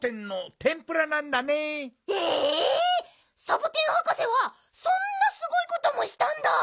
サボテンはかせはそんなすごいこともしたんだ。